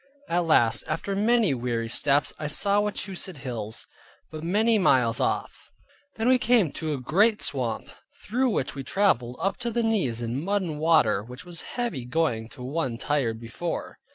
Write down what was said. At last, after many weary steps, I saw Wachusett hills, but many miles off. Then we came to a great swamp, through which we traveled, up to the knees in mud and water, which was heavy going to one tired before.